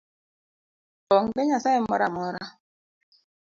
Onge nyasaye moro amora.